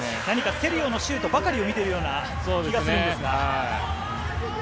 セリオのシュートばかりを見ているような気がするんですが。